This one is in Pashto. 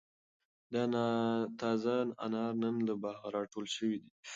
دا تازه انار نن له باغه را ټول شوي دي.